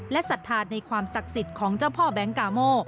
และศรัทธาในความศักดิ์สิทธิ์ของเจ้าพ่อแบงค์กาโม